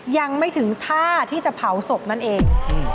ยังไม่ถึงท่าที่จะเผาศพนั่นเอง